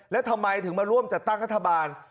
แล้วทำไมถึงมาร่วมจัดตั้งรัฐบาล